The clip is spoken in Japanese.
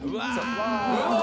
うわ！